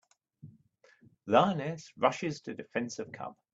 Lioness Rushes to Defense of Cub.